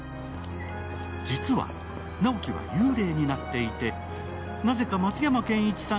実は直木は幽霊になっていて、なぜか松山ケンイチさん